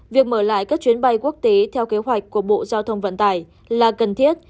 việc mở lại các chuyến bay quốc tế theo kế hoạch của bộ giao thông vận tải là cần thiết